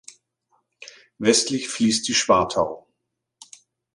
Westlich fließt die Schwartau.